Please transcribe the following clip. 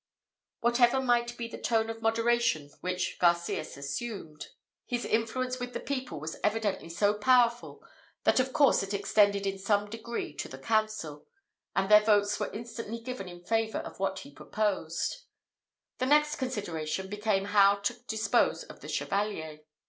Whatever might be the tone of moderation which Garcias assumed, his influence with the people was evidently so powerful, that of course it extended in some degree to the council; and their votes were instantly given in favour of what he proposed. The next consideration became how to dispose of the Chevalier.